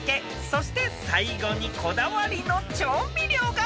［そして最後にこだわりの調味料が］